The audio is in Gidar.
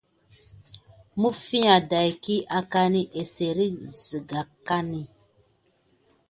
Məffia daki angani aserki sikani.